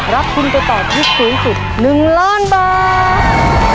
รับคุณไปต่อที่สูงสุด๑ล้านบาท